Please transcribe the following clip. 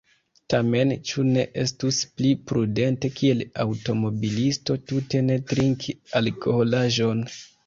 Tamen, ĉu ne estus pli prudente kiel aŭtomobilisto tute ne trinki alkoholaĵon?